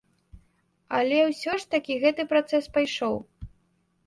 Але ўсё ж такі гэты працэс пайшоў.